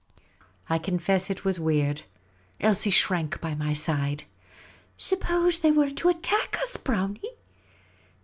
I confess it was weird. Elsie shrank by my side. " vSup pose they were to attack us, Brownie